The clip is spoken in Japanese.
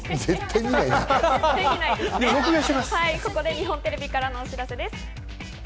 日本テレビからのお知らせです。